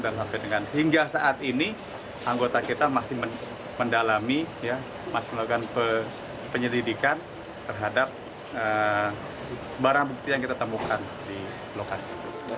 dan sampai dengan hingga saat ini anggota kita masih mendalami masih melakukan penyelidikan terhadap barang bukti yang kita temukan di lokasi